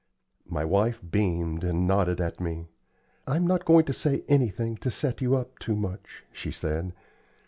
My wife beamed and nodded at me. "I'm not going to say anything to set you up too much," she said.